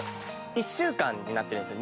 １週間になってるんですよ。